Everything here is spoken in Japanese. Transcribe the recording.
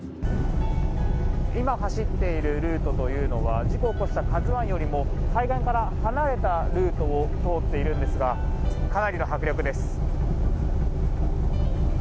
今、走っているルートというのは事故を起こした「ＫＡＺＵ１」よりも海岸から離れたルートを通っているんですがかなりの迫力です。